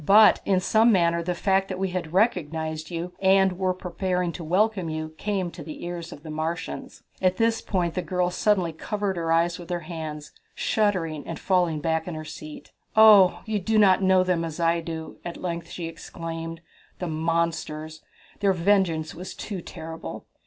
"But in some manner the fact that we had recognized you, and were preparing to welcome you, came to the ears of the Martians." At this point the girl suddenly covered her eyes with her hands, shuddering and falling back in her seat. "Oh, you do not know them as I do!" at length she exclaimed. "The monsters! Their vengeance was too terrible!